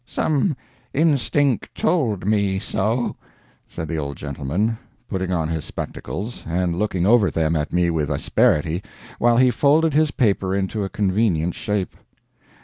"Some instinct told me so," said the old gentleman, putting on his spectacles, and looking over them at me with asperity, while he folded his paper into a convenient shape.